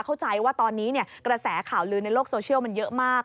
เข้าใจว่าตอนนี้กระแสข่าวลือในโลกโซเชียลมันเยอะมาก